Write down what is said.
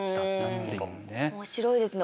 面白いですね。